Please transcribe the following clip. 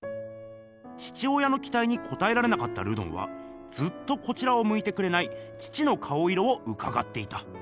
父親のきたいにこたえられなかったルドンはずっとこちらをむいてくれない父の顔色をうかがっていた。